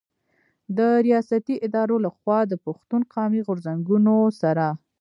د رياستي ادارو له خوا د پښتون قامي غرځنګونو سره